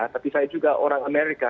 tapi saya juga orang amerika